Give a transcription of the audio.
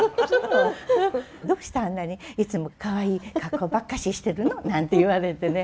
「どうしてあんなにいつもかわいい格好ばっかししてるの」なんて言われてね。